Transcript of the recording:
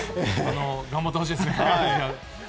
頑張ってほしいですね。